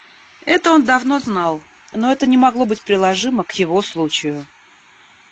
Это он давно знал, но это не могло быть приложимо к его случаю.